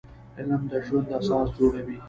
علم د ژوند اساس جوړوي